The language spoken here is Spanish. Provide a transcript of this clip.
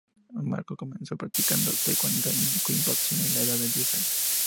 Marco comenzó practicando taekwondo y kickboxing a la edad de diez años.